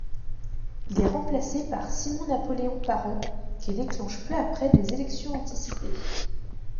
Il est remplacé par Simon-Napoléon Parent, qui déclenche peu après des élections anticipées.